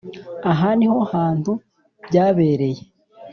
aha niho hantu byabereye